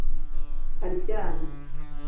aryamye